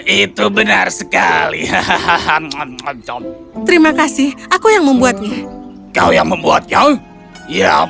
ini lucu sekali